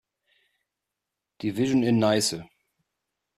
Division in Neisse.